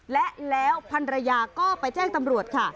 และแล้วพันรยาก็ไปแจ้งตำรวจค่ะ